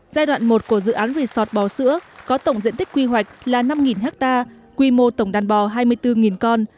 giai đoạn một của dự án resort bò sữa có tổng diện tích quy hoạch là năm ha quy mô tổng đàn bò hai mươi bốn con